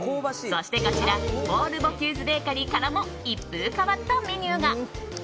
そしてこちらポール・ボキューズ・ベーカリーからも一風変わったメニューが。